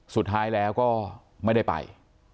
สุดท้ายแล้วก็ไม่ได้ไป